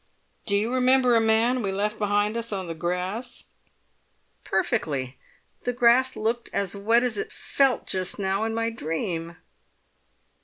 "Do you remember a man we left behind us on the grass?" "Perfectly; the grass looked as wet as it felt just now in my dream."